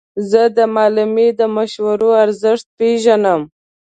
زه د معلمې د مشورو ارزښت پېژنم.